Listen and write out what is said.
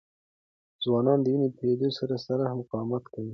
ځوانان د وینې د تویېدو سره سره مقاومت کوي.